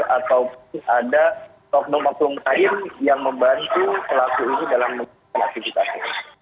atau ada tokno maklum lain yang membantu pelaku ini dalam menghasilkan aktivitasnya